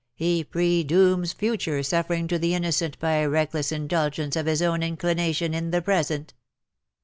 He predooms future suffering to the innocent by a reckless indulgence of his own inclination in the present.'